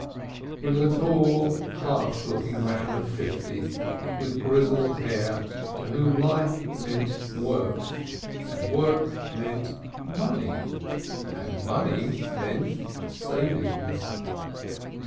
He was a tall, harsh looking man of fifty, with grizzled hair, to whom life meant work, and work meant money, and money meant savings.